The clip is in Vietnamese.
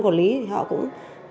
quản lý họ cũng